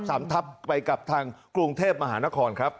สำทับไปกับทางกรุงเทพมหานครครับ